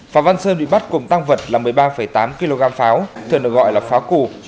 phạm văn sơn bị bắt cùng tăng vật là một mươi ba tám kg pháo thường được gọi là pháo củ